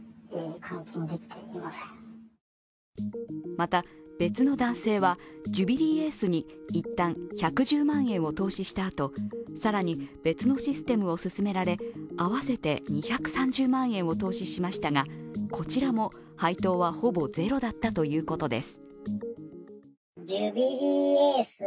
また別の男性はジュビリーエースにいったん１１０万円を投資した後、更に別のシステムを勧められ合わせて２３０万円を投資しましたが、こちらも配当は、ほぼゼロだったということです。